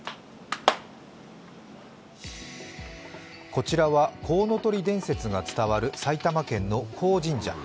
こちらはこうのとり伝説が伝わる埼玉県の鴻神社。